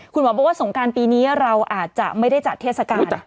คุณหมอบอกว่าสงการปีนี้เราอาจจะไม่ได้จัดเทศกาล